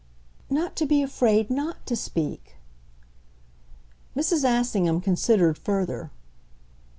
"Not to be afraid NOT to speak." Mrs. Assingham considered further.